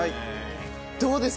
どうですか？